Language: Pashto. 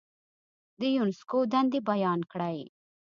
د یونسکو دندې بیان کړئ.